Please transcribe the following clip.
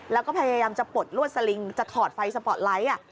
แล้วก็พยายามจะปลดลวดสลิงจะถอดไฟสปอร์ตไลท์